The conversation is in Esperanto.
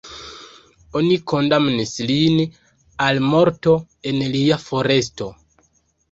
Oni kondamnis lin al morto en lia foresto.